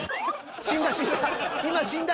死んだ死んだ。